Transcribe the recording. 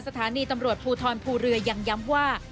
สถานีตำรวจภูทรภูเรือยังย้ำว่า